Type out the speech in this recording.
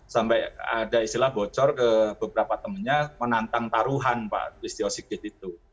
sampai ada istilah bocor ke beberapa temennya menantang taruhan pak listio sigit itu